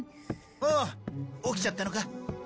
あっ起きちゃったのか？